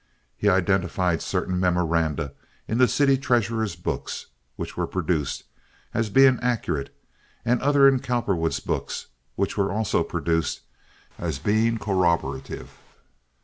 He identified certain memoranda in the city treasurer's books, which were produced, as being accurate, and others in Cowperwood's books, which were also produced, as being corroborative.